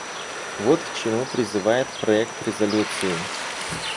Вот к чему призывает проект резолюции.